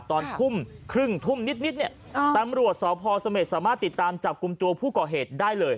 ตอนทุ่มครึ่งทุ่มนิดเนี่ยตำรวจสพเสม็ดสามารถติดตามจับกลุ่มตัวผู้ก่อเหตุได้เลย